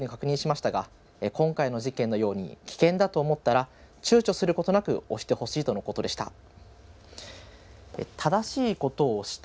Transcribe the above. この点ついてはＪＲに確認しましたが今回の事件のように危険だと思ったらちゅうちょすることなく押してほしいとのことでした。